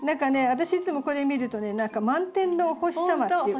私いつもこれ見るとね何か満天のお星様っていう。